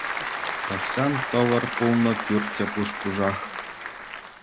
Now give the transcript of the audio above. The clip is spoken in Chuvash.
Тахҫан тӑвӑр пулнӑ пӳрт те пуш-пушах.